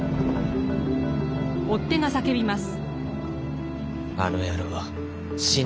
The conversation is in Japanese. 追っ手が叫びます。